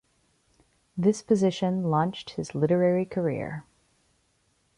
This position launched his literary career.